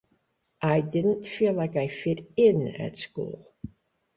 I didn't feel like I fit in at school.